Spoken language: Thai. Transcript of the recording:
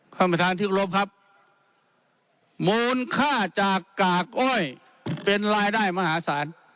ค่ะประธานทิศรพครับโหมนค่าจากกากอ้อยเป็นรายได้มหาศาล